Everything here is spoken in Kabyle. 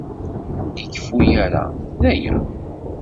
Ur d-ikeffu ara, d aya.